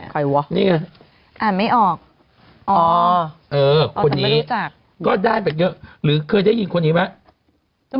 ใครวะอ่ะไม่ออกอ่อไม่รู้จักเออคนนี้ก็ได้แปดเยอะหรือเคยได้ยินคนนี้ไหม